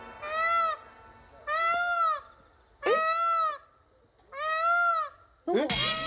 ［えっ！？］